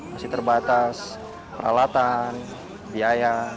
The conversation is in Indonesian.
masih terbatas peralatan biaya